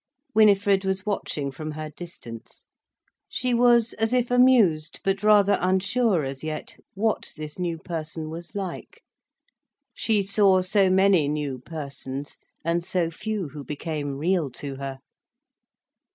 Winifred was watching from her distance. She was as if amused, but rather unsure as yet what this new person was like. She saw so many new persons, and so few who became real to her.